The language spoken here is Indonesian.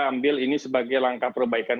ambil ini sebagai langkah perbaikan